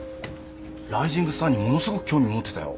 ライジングスターにものすごく興味持ってたよ。